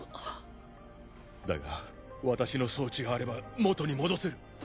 だが私の装置があれば元に戻せる。